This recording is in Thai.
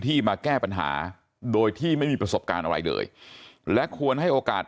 มาแก้ปัญหาโดยที่ไม่มีประสบการณ์อะไรเลยและควรให้โอกาส